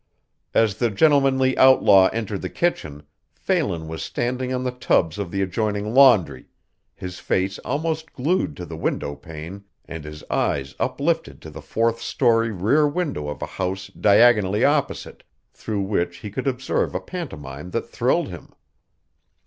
As the gentlemanly outlaw entered the kitchen, Phelan was standing on the tubs of the adjoining laundry, his face almost glued to the window pane and his eyes uplifted to the fourth story rear window of a house diagonally opposite, through which he could observe a pantomime that thrilled him.